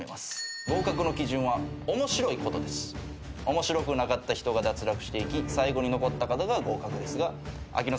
面白くなかった人が脱落していき最後に残った方が合格ですがアキ之